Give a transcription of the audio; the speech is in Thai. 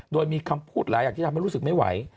โดยมีคำพูดหลายอย่างที่ทำให้รู้สึกไม่ไหว